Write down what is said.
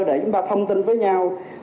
để chúng ta thông tin với nhau